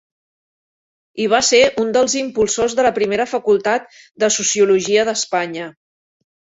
I va ser un dels impulsors de la primera Facultat de Sociologia d'Espanya.